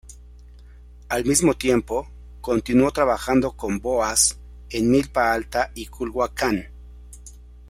Al mismo tiempo, continuó trabajando con Boas en Milpa Alta y Culhuacán.